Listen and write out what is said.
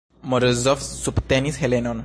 Morozov subtenis Helenon.